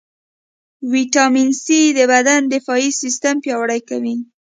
ويټامين C د بدن دفاعي سیستم پیاوړئ کوي.